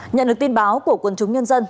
nhận được tin báo của quân chúng nhân dân